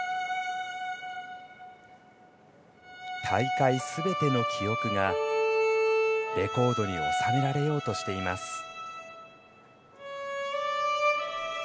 大会すべての記憶がレコードに収められようとしています。